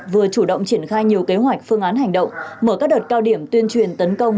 vừa chủ động triển khai nhiều kế hoạch phương án hành động mở các đợt cao điểm tuyên truyền tấn công